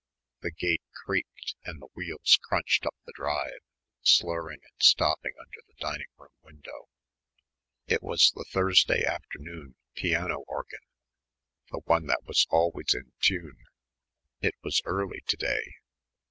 The gate creaked and the wheels crunched up the drive, slurring and stopping under the dining room window. It was the Thursday afternoon piano organ, the one that was always in tune. It was early to day.